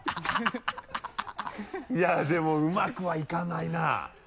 いやっでもうまくはいかないな。